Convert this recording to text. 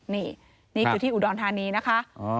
นี่นี่คือที่อุดรธานีนะคะ